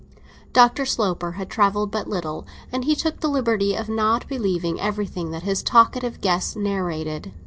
Dr. Sloper had travelled but little, and he took the liberty of not believing everything this anecdotical idler narrated.